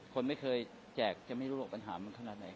คนไม่เคยแจกจะไม่รู้หรอกปัญหามันขนาดไหน